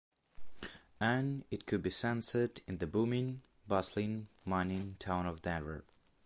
And it could be sensed in the booming, bustling mining town of Denver.